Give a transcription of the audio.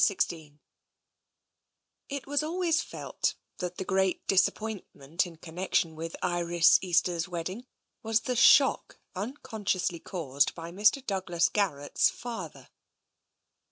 XVI It was always felt that the great disappointment in connection with Iris Easter's wedding was the shock unconsciously caused by Mr. Douglas Garrett's father.